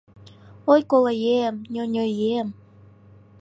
- Ой, колоем, ньоньоем